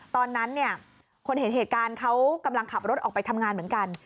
ตอนนั้นเนี่ยคนเห็นเหตุการณ์เขากำลังขับรถออกไปทำงานเหมือนกัน